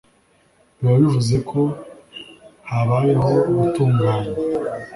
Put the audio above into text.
biba bivuze ko habayeho gutunganya